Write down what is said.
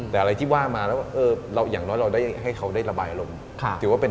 แต่อะไรที่ว่ามาอย่างน้อยเราได้ให้เขาได้ระบายอารมณ์